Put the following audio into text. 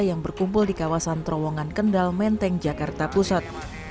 yang berkumpul di kawasan terowongan kendal menteng jakarta pusat